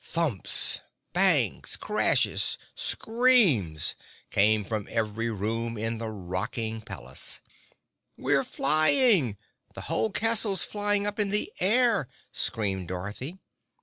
Thumps—bangs—crashes—screams came from every room in the rocking palace. "We're flying! The whole castle's flying up in the air!" screamed Dorothy.